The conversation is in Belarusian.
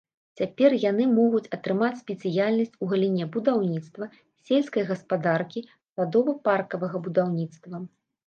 Цяпер яны могуць атрымаць спецыяльнасць ў галіне будаўніцтва, сельскай гаспадаркі, садова-паркавага будаўніцтва.